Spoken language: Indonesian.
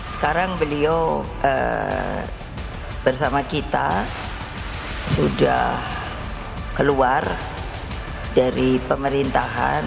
sekarang beliau bersama kita sudah keluar dari pemerintahan